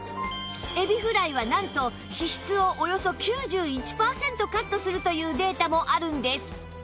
エビフライはなんと脂質をおよそ９１パーセントカットするというデータもあるんです